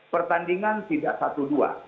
pertandingan tidak satu dua